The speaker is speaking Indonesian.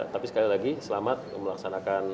tapi sekali lagi selamat melaksanakan